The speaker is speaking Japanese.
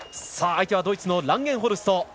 相手はドイツのランゲンホルスト。